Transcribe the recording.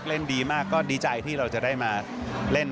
เล่นดีมากก็ดีใจที่เราจะได้มาเล่น